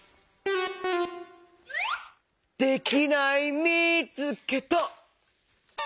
できないみつけた！